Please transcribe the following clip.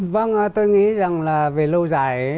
vâng tôi nghĩ rằng là về lâu dài